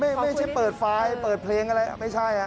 ไม่ใช่เปิดไฟล์เปิดเพลงอะไรไม่ใช่